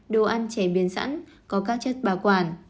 đồ ăn chế biến sẵn có các chất bảo quản